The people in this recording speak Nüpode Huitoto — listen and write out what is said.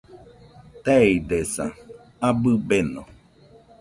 Teidesa, abɨ beno